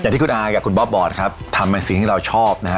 ที่คุณอากับคุณบ๊อบบอกครับทำเป็นสิ่งที่เราชอบนะฮะ